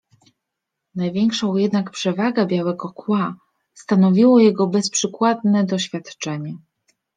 Największą jednak przewagę Białego Kła stanowiło jego bezprzykładne doświadczenie.